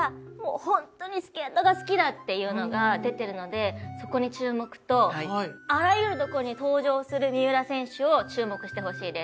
っていうのが出てるのでそこに注目とあらゆるところに登場する三浦選手を注目してほしいです。